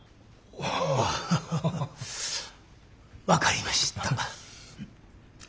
ああ分かりました。